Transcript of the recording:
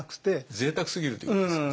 ぜいたくすぎるということですよね。